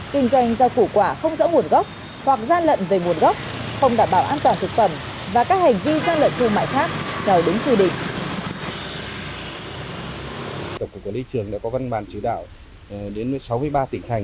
kinh doanh rau củ quả không rõ nguồn gốc hoặc gian lận về nguồn gốc không đảm bảo an toàn thực phẩm và các hành vi gian lận thương mại khác theo đúng quy định